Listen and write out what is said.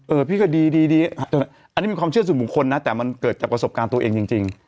เออพี่ก็ดีดีดีอันนี้มีความเชื่อสุขของคนน่ะแต่มันเกิดจากประสบการณ์ตัวเองจริงจริง